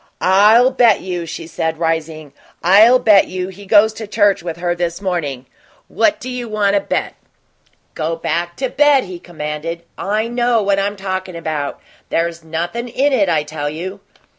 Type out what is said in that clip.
"I'll bet you," she said, rising "I'll bet you he goes to church with her this morning. What you want to bet?" "Go back to bed," he commanded. "I KNOW what I'm talkin' about; there's nothin' in it, I tell you."